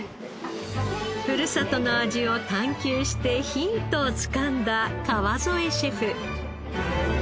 ふるさとの味を探究してヒントをつかんだ川副シェフ。